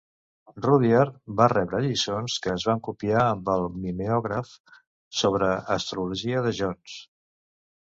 Rudhyar va rebre lliçons, que es van copiar amb el mimeògraf, sobre astrologia de Jones.